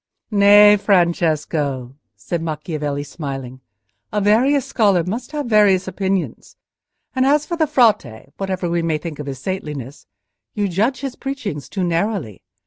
"Nay, Francesco," said Macchiavelli, smiling, "a various scholar must have various opinions. And as for the Frate, whatever we may think of his saintliness, you judge his preaching too narrowly.